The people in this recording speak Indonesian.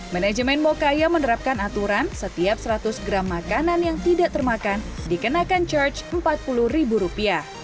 manajemen mokaya menerapkan aturan setiap seratus gram makanan yang tidak termakan dikenakan charge rp empat puluh